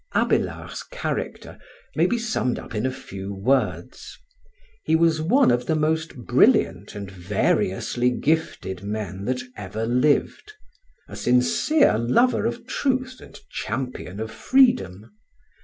Abélard's character may be summed up in a few words. He was one of the most brilliant and variously gifted men that ever lived, a sincere lover of truth and champion of freedom.